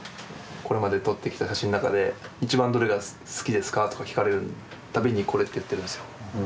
これまで撮ってきた写真の中で一番どれが好きですかとか聞かれる度にこれって言ってるんですよ。